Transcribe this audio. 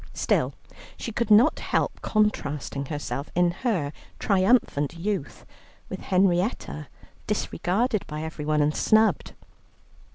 Still she could not help contrasting herself in her triumphant youth with Henrietta, disregarded by everyone and snubbed.